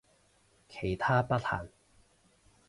其他不限